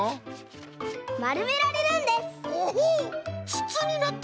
つつになった！